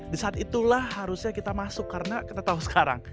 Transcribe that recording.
di saat itulah harusnya kita masuk karena kita tahu sekarang